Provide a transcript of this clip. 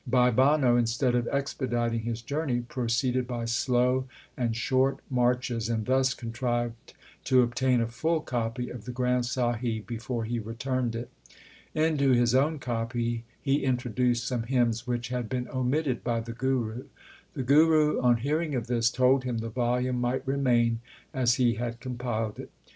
Bhai Banno, instead of expediting his journey, proceeded by slow and short marches, and thus contrived to obtain a full copy of the Granth Sahib before he returned it. Into his own copy he intro duced some hymns which had been omitted by the Guru. The Guru, on hearing of this, told him the volume might remain as he had compiled it.